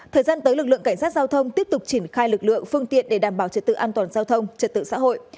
thời gian tới lực lượng cảnh sát giao thông tiếp tục triển khai lực lượng phương tiện để đảm bảo trật tự an toàn giao thông trật tự xã hội